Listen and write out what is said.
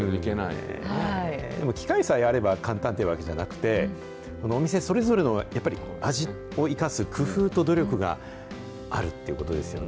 でも機械さえあれば簡単というわけではなくて、お店それぞれのやっぱり味を生かす工夫と努力が、あるということですよね。